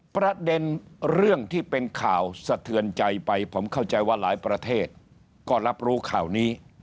ประเด็นเรื่องที่เป็นข่าวสะเทือนใจไปผมเข้าใจว่าหลายประเทศก็รับรู้ข่าวนี้